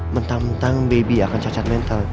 mentang mentang baby akan cacat mental